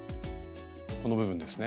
この部分ですね。